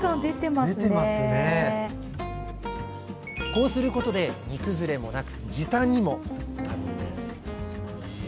こうすることで煮崩れもなく時短にもなるんです。